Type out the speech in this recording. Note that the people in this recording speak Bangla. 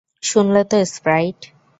শুনলে তো, স্প্রাইট?